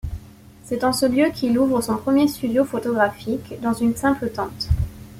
C'est en ce lieu qu'il ouvre son premier studio photographique, dans une simple tente.